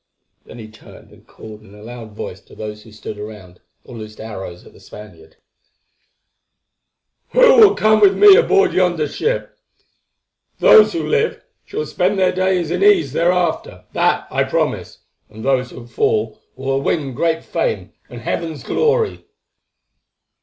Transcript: Then he turned and called in a loud voice to those who stood around or loosed arrows at the Spaniard: "Who will come with me aboard yonder ship? Those who live shall spend their days in ease thereafter, that I promise, and those who fall will win great fame and Heaven's glory."